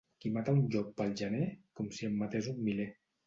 Qui mata un llop pel gener, com si en matés un miler.